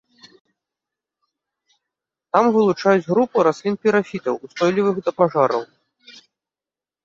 Там вылучаюць групу раслін-пірафітаў, устойлівых да пажараў.